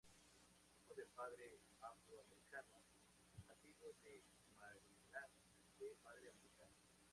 Hijo de padre afro-americano, nativo de Maryland y de madre americana.